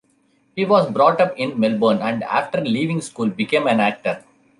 He was brought up in Melbourne and, after leaving school, became an actor.